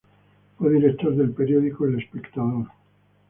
Fue director del periódico "El Espectador".